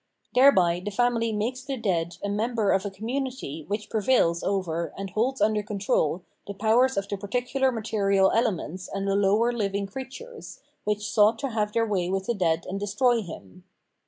Thereby the family makes the dead a member of a community f which prevails over and holds under control the powers of the particular material elements and the lower hviag creatures, which sought to have their way with the dead and destroy him.